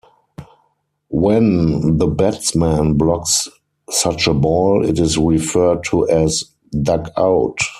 When the batsman blocks such a ball, it is referred to as "dug out".